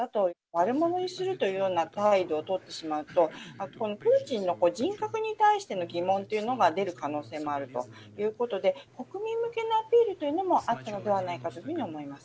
悪者にするというような態度を取ってしまうと、プーチンの人格に対しての疑問というのが出る可能性もあるということで、国民向けのアピールというのもあったのではないかというふうに思います。